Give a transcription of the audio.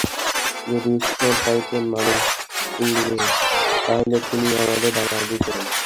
যদি ঈশ্বর চাইতেন মানুষ উড়বে, তাহলে তিনি আমাদের ডানা দিতেন।